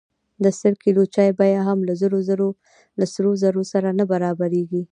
د سل کیلو چای بیه هم له سرو زرو سره نه برابریږي.